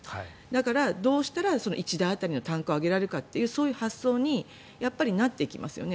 だから、どうしたら１台当たりの単価を上げられるかというそういう発想になっていきますよね。